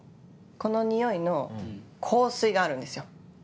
このにおいの香水があるんですよ。